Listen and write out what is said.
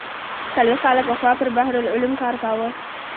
څلوېښت کاله پخوا پر بحر العلوم کار کاوه.